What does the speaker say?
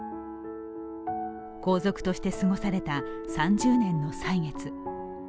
皇族として過ごされた３０年の歳月。